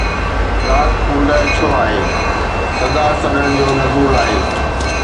رات اوندهه ڇو آهي، صدا سڏڻ جو نزول آهي